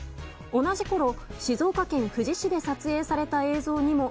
同じころ静岡県富士市で撮影された映像にも。